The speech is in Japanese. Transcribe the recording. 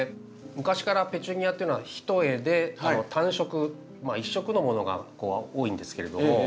昔からペチュニアっていうのは一重で単色一色のものが多いんですけれども。